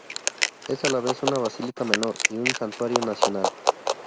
Es a la vez una basílica menor y un santuario nacional.